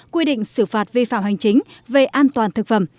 một một năm quy định xử phạt vi phạm hành chính về an toàn thực phẩm